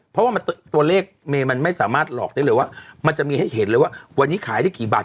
เพราะว่าตัวเลขเมย์มันไม่สามารถหลอกได้เลยว่ามันจะมีให้เห็นเลยว่าวันนี้ขายได้กี่บาท